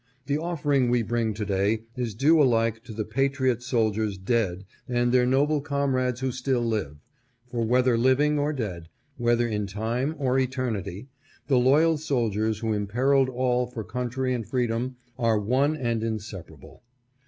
The offering we bring to day is due alike to the patriot soldiers dead and their noble com rades who still live; for, whether living or dead, whether in time or eternity, the loyal soldiers who imperiled all for country and freedom are one and inseparable.